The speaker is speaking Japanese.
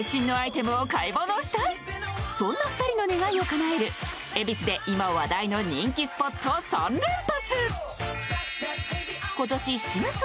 そんな２人の願いをかなえる恵比寿で今話題の人気スポット３連発。